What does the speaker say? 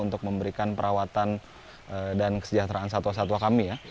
untuk memberikan perawatan dan kesejahteraan satwa satwa kami ya